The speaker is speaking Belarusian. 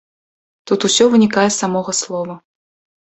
Тут усё вынікае з самога слова.